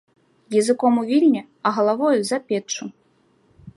Языком у Вільні, а галавою – за печчу